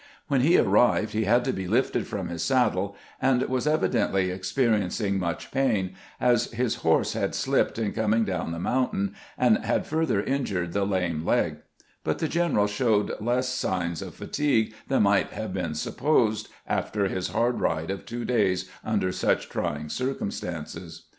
When he arrived he had to be lifted from his saddle, and was evidently experiencing much pain, as his horse had slipped in coming down the mountain, and had further injured the lame leg ; but the general showed less signs of fatigue than might have been sup posed after his hard ride of two days under such trying circumstances.